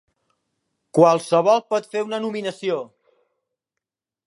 Qualsevol pot fer una nominació.